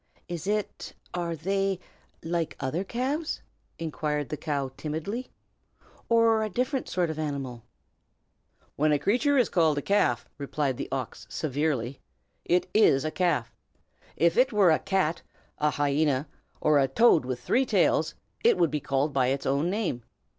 "Is it are they like other calves?" inquired the cow, timidly, "or a different sort of animal?" "When a creature is called a calf," replied the Ox, severely, "it is a calf. If it were a cat, a hyena, or a toad with three tails, it would be called by its own name.